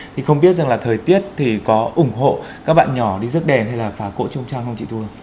thì không biết rằng là thời tiết thì có ủng hộ các bạn nhỏ đi rước đèn hay là phá cỗ trông trăng không chị thu